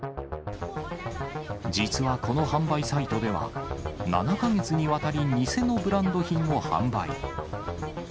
実はこの販売サイトでは、７か月にわたり偽のブランド品を販売。